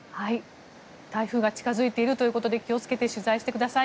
台風が近付いているということで気をつけて取材してください。